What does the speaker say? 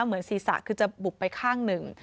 เหมือนศีรษะคือจะบุบไปข้างหนึ่ง